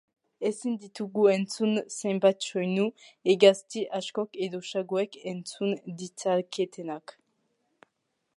Ezin ditugu entzun zenbait soinu hegazti askok edo saguek entzun ditzaketenak.